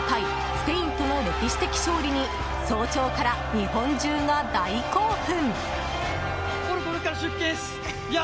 スペインとの歴史的勝利に早朝から日本中が大興奮。